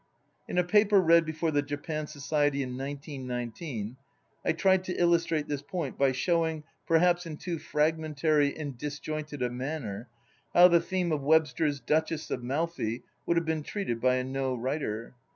In a paper read before the Japan Society in 1919 I tried to illus trate this point by showing, perhaps in too fragmentary and dis jointed a manner, how the theme of Webster's "Duchess of Malfi" \\ntild have been treated by a No writer.